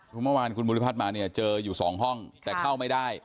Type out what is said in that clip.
คือเมื่อวานคุณภูริพัฒน์มาเนี่ยเจออยู่สองห้องแต่เข้าไม่ได้